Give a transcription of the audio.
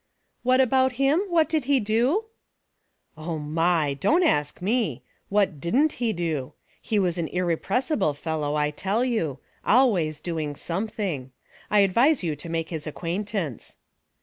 '' What about him ? what did he do ?" ''Oh, my! Don't ask me. What didn't he do ? He was an irrepressible fellow, I tell you ; always doing something. I advise you to make his acquaintance."